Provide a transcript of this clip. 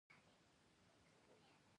مثلا محکومان به د توپ خولې ته تړل کېدل.